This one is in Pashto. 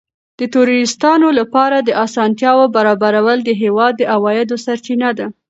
د توریستانو لپاره د اسانتیاوو برابرول د هېواد د عوایدو سرچینه ده.